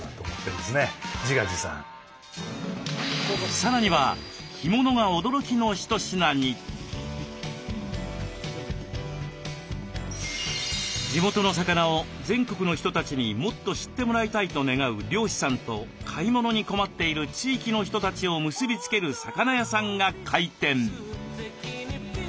さらには地元の魚を全国の人たちにもっと知ってもらいたいと願う漁師さんと買い物に困っている地域の人たちを結び付ける魚屋さんが開店。